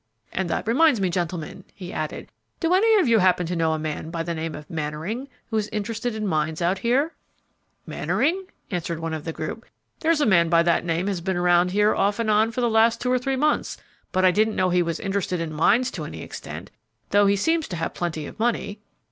And that reminds me, gentlemen," he added, "do any of you happen to know a man by the name of Mannering, who is interested in mines out here?" "Mannering?" answered one of the group; "there's a man by that name has been around here off and on for the last two or three months; but I didn't know he was interested in mines to any extent, though he seems to have plenty of money."